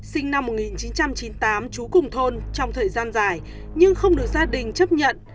sinh năm một nghìn chín trăm chín mươi tám trú cùng thôn trong thời gian dài nhưng không được gia đình chấp nhận